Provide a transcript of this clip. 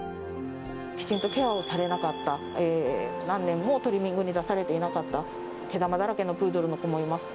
きちんとケアをされなかった、何年もトリミングに出されていなかった、毛玉だらけのプードルの子もいます。